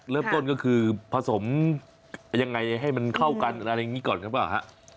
เริ่มต้นก็คือผสมยังไงให้มันเข้ากันอะไรอย่างนี้ก่อนหรือเปล่าฮะ